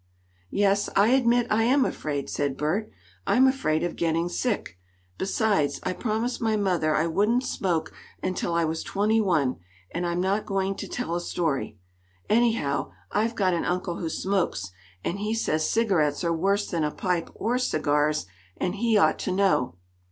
"Yes, I admit I am afraid," said Bert. "I'm afraid of getting sick. Besides, I promised my mother I wouldn't smoke until I was twenty one, and I'm not going to tell a story. Anyhow, I've got an uncle who smokes, and he says cigarettes are worse than a pipe or cigars, and he ought to know."